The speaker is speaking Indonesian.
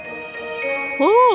oh aku menyukainya